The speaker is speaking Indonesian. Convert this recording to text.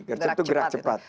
gercep itu gerak cepat